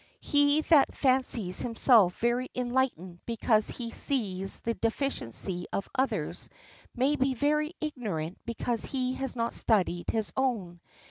He that fancies himself very enlightened because he sees the deficiency of others may be very ignorant because he has not studied his own.